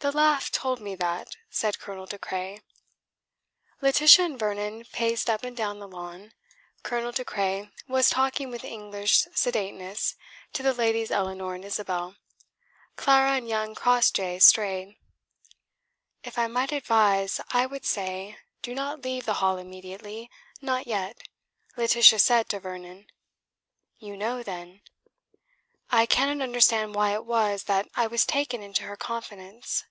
"The laugh told me that," said Colonel De Craye. Laetitia and Vernon paced up and down the lawn. Colonel De Craye was talking with English sedateness to the ladies Eleanor and Isabel. Clara and young Crossjay strayed. "If I might advise, I would say, do not leave the Hall immediately, not yet," Laetitia said to Vernon. "You know, then?" "I cannot understand why it was that I was taken into her confidence."